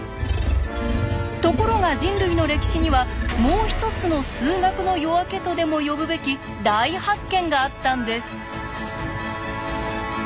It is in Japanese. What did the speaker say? ところが人類の歴史には「もう一つの数学の夜明け」とでも呼ぶべき大発見があったんです。